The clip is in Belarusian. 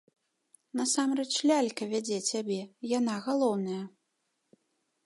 Насамрэч лялька вядзе цябе, яна галоўная!